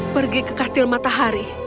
pergi ke kastil matahari